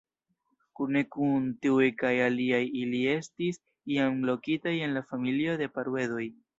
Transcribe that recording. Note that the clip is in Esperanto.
Kune kun tiuj kaj aliaj ili estis iam lokitaj en la familio de Paruedoj.